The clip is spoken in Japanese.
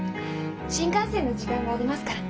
新幹線の時間がありますから。